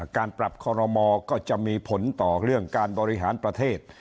การปรับคอรมอก็จะมีผลต่อเรื่องการบริหารประเทศ